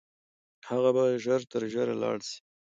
هغه به ژر تر ژره لاړ سي.